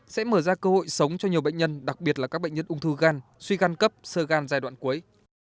sẽ mở ra cơ hội sống cho nhiều bệnh nhân đặc biệt là các bệnh nhân ung thư gan suy gan cấp sơ gan giai đoạn cuối